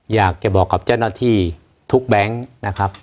อยากจะบอกกับเจ้าหน้าที่ทุกแบงค์นะครับ